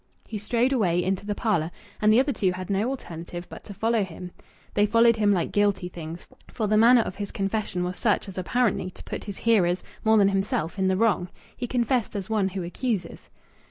He strode away into the parlour, and the other two had no alternative but to follow him. They followed him like guilty things; for the manner of his confession was such as apparently to put his hearers, more than himself, in the wrong. He confessed as one who accuses.